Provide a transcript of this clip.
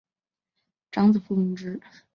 长子封隆之。